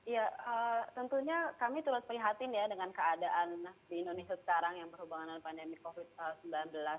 ya tentunya kami turut prihatin ya dengan keadaan di indonesia sekarang yang berhubungan dengan pandemi covid sembilan belas